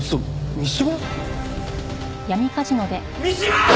三島。